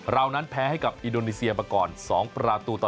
เรานั้นแพ้ให้กับอินโดนีเซียมาก่อน๒ประตูต่อ